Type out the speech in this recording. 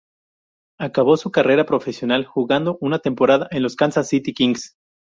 Acabó su carrera profesional jugando una temporada en los Kansas City Kings.